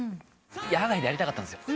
野外でやりたかったんですよ。